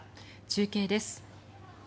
中継です。